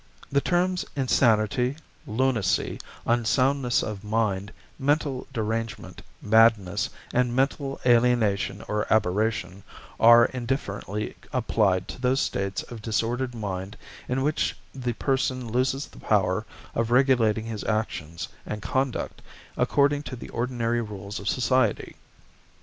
The terms 'insanity,' 'lunacy,' 'unsoundness of mind,' 'mental derangement,' 'madness,' and 'mental alienation or aberration,' are indifferently applied to those states of disordered mind in which the person loses the power of regulating his actions and conduct according to the ordinary rules of society.